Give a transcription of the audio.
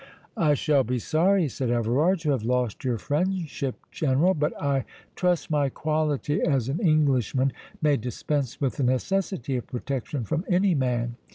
"I shall be sorry," said Everard, "to have lost your friendship, General; but I trust my quality as an Englishman may dispense with the necessity of protection from any man.